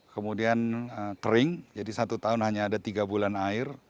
kemudian kering jadi satu tahun hanya ada tiga bulan air